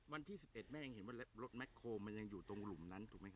วันที่๑๑แม่ยังเห็นว่ารถแม็กโคมันอยู่ตรงหลุมนั้นถูกไหม